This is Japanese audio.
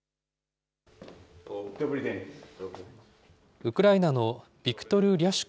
ウクライナのビクトル・リャシュコ